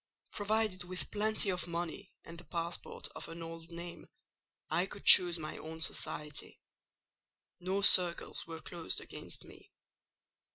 Provided with plenty of money and the passport of an old name, I could choose my own society: no circles were closed against me.